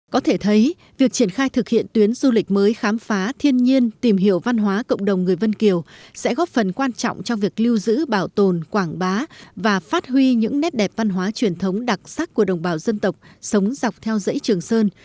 có thể thấy việc triển khai thực hiện tuyến du lịch mới khám phá thiên nhiên tìm hiểu văn hóa cộng đồng người vân kiều sẽ góp phần quan trọng trong việc lưu giữ bảo tồn quảng bá và phát huy những nét đẹp văn hóa truyền thống đặc sắc của đồng bào dân tộc sống dọc theo dãy trường sơn